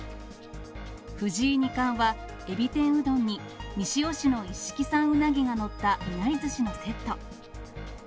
藤井二冠はエビ天うどんに、西尾市の一色産うなぎが載ったいなりずしのセット。